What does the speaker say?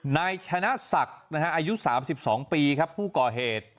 นายชนะศักดิ์นะฮะอายุสามสิบสองปีครับผู้ก่อเหตุ